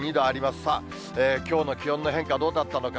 さあ、きょうの気温の変化、どうなったのか。